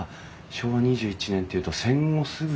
昭和２１年っていうと戦後すぐ。